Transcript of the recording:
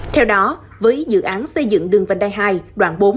theo đó với dự án xây dựng đường vành đai hai đoạn bốn